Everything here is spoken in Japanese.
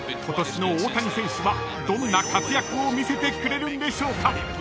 ［今年の大谷選手はどんな活躍を見せてくれるんでしょうか］